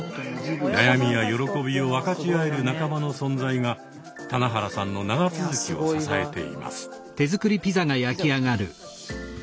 悩みや喜びを分かち合える仲間の存在が棚原さんの長続きを支えています。